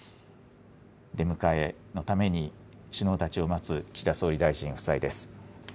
出迎えのために首脳たちを待つ岸田総理大臣夫妻です。